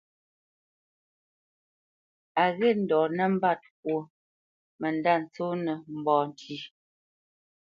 A ghê ndɔ̌ nəmbat ŋkwó mə ndâ tsónə́ mbá ntí.